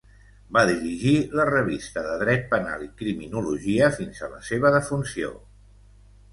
Va dirigir la Revista de Dret Penal i Criminologia fins a la seva defunció.